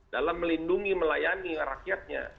dalam melindungi melayani rakyatnya